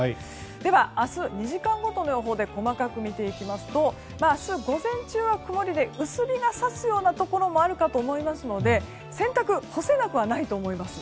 では、明日２時間ごとの予報で細かく見ていきますと明日午前中は曇りで薄日が差すようなところもあるかと思いますので洗濯干せなくはないと思います。